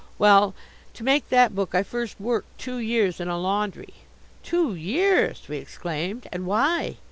"Well, to make that book I first worked two years in a laundry." "Two years!" we exclaimed. "And why?"